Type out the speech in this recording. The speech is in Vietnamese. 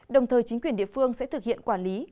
đồng thời chính quyền địa phương sẽ thực hiện quản lý